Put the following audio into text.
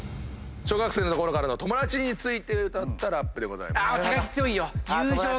小学生のころからの友達について歌ったラップでございます。